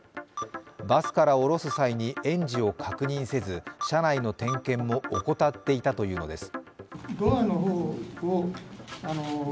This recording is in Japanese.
バスから降ろす際に園児を確認せず車内の点検も怠っていたというのです。